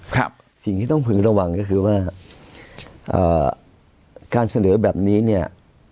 ครับสิ่งที่ต้องพึงระวังก็คือว่าเอ่อการเสนอแบบนี้เนี่ย